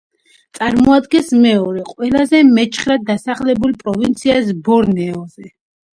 წარმოადგენს მეორე ყველაზე მეჩხრად დასახლებულ პროვინციას ბორნეოზე.